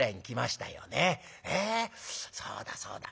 そうだそうだ。